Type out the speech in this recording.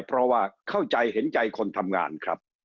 เพราะว่าเข้าใจเห็นใจคนทำงานครับ